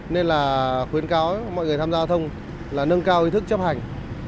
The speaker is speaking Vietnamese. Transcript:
nên là khuyến cáo mọi người tham gia giao thông là nâng cao ý thức chấp hành